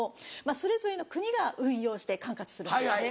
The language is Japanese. それぞれの国が運用して管轄するんですね。